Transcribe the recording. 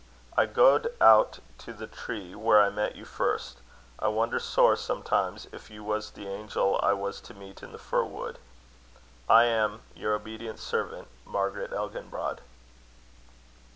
I gaed out to the tree where I met you first. I wonder sair sometimes if you was the angel I was to meet in the fir wood. I am, "Your obedient servant, "MARGARET ELGINBROD."